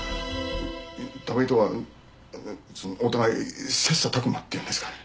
田部井とはお互い切磋琢磨っていうんですか？